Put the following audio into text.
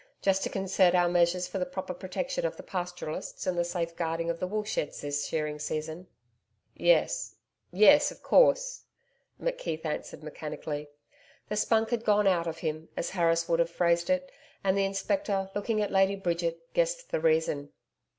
Just to concert our measures for the proper protection of the Pastoralists and the safeguarding of the woolsheds this shearing season.' 'Yes, yes, or course,' McKeith answered mechanically. The spunk had gone out of him, as Harris would have phrased it; and the Inspector, looking at Lady Bridget, guessed the reason.